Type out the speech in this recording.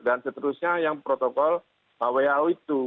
dan seterusnya yang protokol who itu